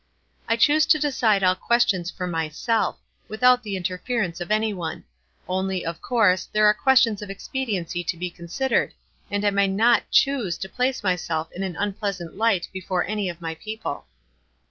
tf I choose to decide all questions for myself, without the in terference of any one ; only, of course, there are questions of expediency to be considered, and I may not choose to place myself in an un pleasant light before any of my people."